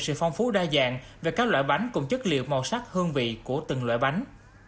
sự phong phú đa dạng về các loại bánh cùng chất liệu màu sắc hương vị của từng loại bánh